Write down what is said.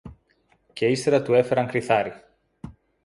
Και ύστερα του έφεραν κριθάρι